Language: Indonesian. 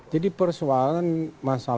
jadi persoalan masalah ini sebenarnya bukan dikontrol